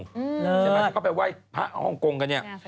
เข้าไปไหว้พระห้องกงกันเนี่ย